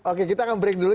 oke kita akan break dulu